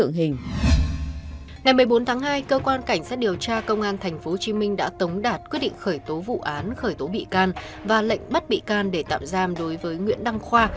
ngày một mươi bốn tháng hai cơ quan cảnh sát điều tra công an tp hcm đã tống đạt quyết định khởi tố vụ án khởi tố bị can và lệnh bắt bị can để tạm giam đối với nguyễn đăng khoa